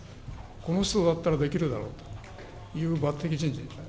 この人だったらできるだろうという抜てき人事です。